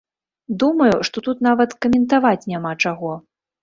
Думаю, што тут нават каментаваць няма чаго.